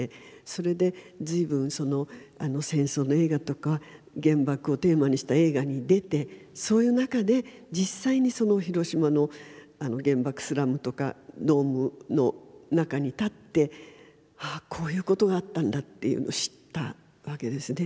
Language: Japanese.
それでずいぶん戦争の映画とか原爆をテーマにした映画に出てそういう中で実際にその広島の原爆スラムとかドームの中に立ってああこういうことがあったんだっていうのを知ったわけですね。